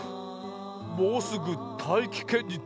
もうすぐたいきけんにとつにゅうだ。